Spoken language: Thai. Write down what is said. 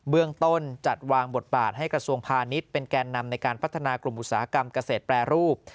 เรื่องต้นจัดวางบทบาทให้กระทรวงพาณิชย์เป็นแกนนำในการพัฒนากลุ่มอุตสาหกรรมเกษตรแปรรูป